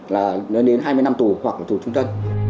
là nơi đến hai mươi năm tù hoặc là tù trung tân